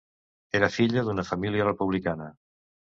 Era filla d'una família republicana.